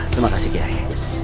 terima kasih kiai